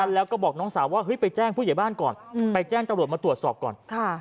แล้วก็บอกน้องสาว่าไปแจ้งผู้เจียบ้านก่อนไปแจ้งตลอดมาตรวจสอบก่อน